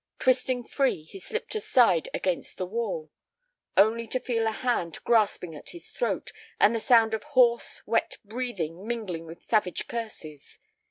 Twisting free, he slipped aside against the wall, only to feel a hand grasping at his throat, and the sound of hoarse, wet breathing mingling with savage curses.